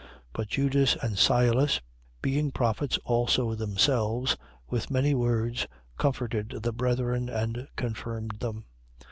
15:32. But Judas and Silas, being prophets also themselves, with many words comforted the brethren and confirmed them.